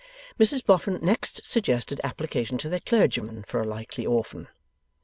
Mrs Boffin next suggested application to their clergyman for a likely orphan.